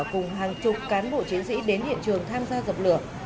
cùng hàng chục cán bộ chiến sĩ đến hiện trường tham gia dập lửa